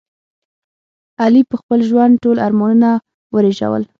علي په خپل ژوند ټول ارمانونه ورېژول.